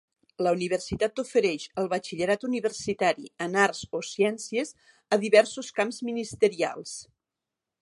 La universitat ofereix el batxillerat universitari en arts o ciències a diversos camps ministerials.